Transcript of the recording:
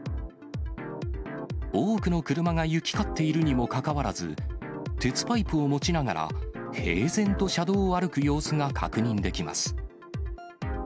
多くの車が行き交っているにもかかわらず、鉄パイプを持ちながら、平然と車道を歩く様子が確認できます。